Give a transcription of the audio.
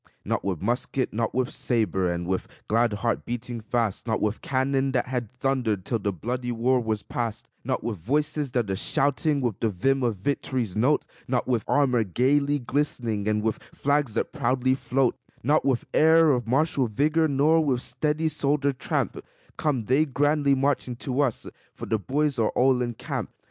Not with musket, and with saber, and with glad heart beating fast; Not with cannon that had thundered till the bloody war was past; Not with voices that are shouting with the vim of victory's note; Not with armor gayly glistening, and with flags that proudly float; Not with air of martial vigor, nor with steady, soldier tramp, Come they grandly marching to us for the boys are all in camp.